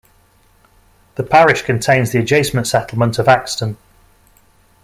The parish contains the adjacent settlement of Haxton.